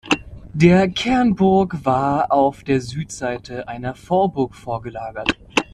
Der Kernburg war auf der Südseite eine Vorburg vorgelagert.